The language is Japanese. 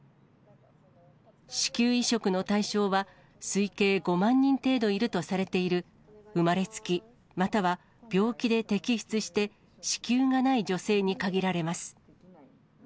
子宮移植の対象は、推計５万人程度いるとされている、生まれつき、または病気で摘出して、子宮がない女性に限られます。